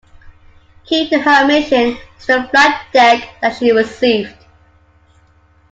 Key to her mission was the flight deck that she received.